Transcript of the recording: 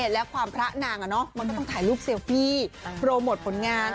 และความพระนางมันก็ต้องถ่ายรูปเซลฟี่โปรโมทผลงาน